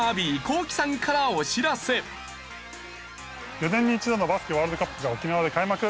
４年に１度のバスケワールドカップが沖縄で開幕！